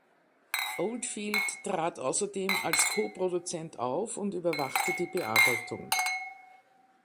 Oldfield trat außerdem als Koproduzent auf und überwachte die Bearbeitung.